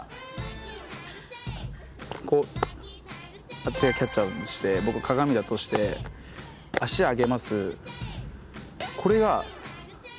あっちがキャッチャーだとして僕鏡だとして脚上げます。